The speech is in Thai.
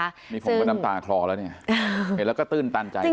นี่ผมก็น้ำตาคลอแล้วเนี่ยเห็นแล้วก็ตื้นตันใจ